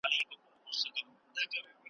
زما شهپرونه خدای قفس ته پیدا کړي نه دي .